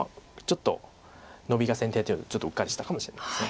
ちょっとノビが先手というのをちょっとうっかりしたかもしれないです。